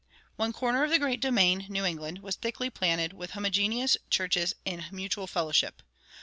One corner of the great domain, New England, was thickly planted with homogeneous churches in mutual fellowship.